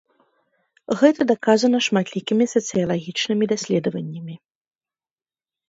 Гэта даказана шматлікімі сацыялагічнымі даследаваннямі.